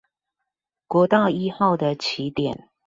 國道一號的起點